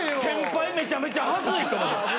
先輩めちゃめちゃはずい。